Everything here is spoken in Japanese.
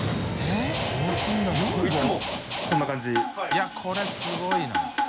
いこれすごいな。